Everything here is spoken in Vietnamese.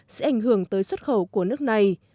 sẽ ảnh hưởng tới xuất khẩu của nước này